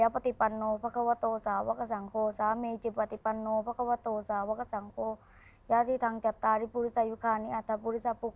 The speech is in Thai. เป็นบางข้อนได้ไหมลูก